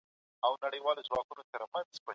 تخنیک باید د انسانانو په خدمت کي وي.